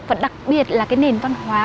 và đặc biệt là nền văn hóa